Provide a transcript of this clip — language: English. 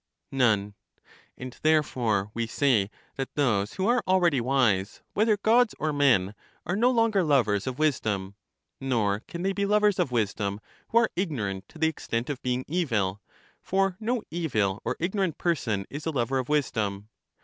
None. And therefore we say that those who are already wise, whether Gods or men, are no longer lovers of wisdom; nor can they be lovers of wisdom, who are ignorant to the extent of being evil, for no evil or ignorant person is a lover of wisdom.